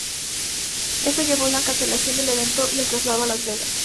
Esto llevó a la cancelación del evento y el traslado a Las Vegas.